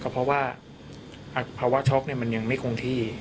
เพราะว่าภาวะช็อกมันยังไม่คงที่